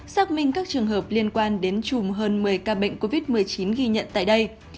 xác minh các trường hợp liên quan đến chùm hơn một mươi ca bệnh covid một mươi chín ghi nhận tại đây